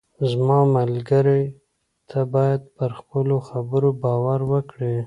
زما ملګری، ته باید پر خپلو خبرو باور وکړې.